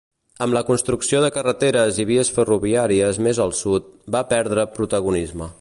Amb la construcció de carreteres i vies ferroviàries més al sud va perdre protagonisme.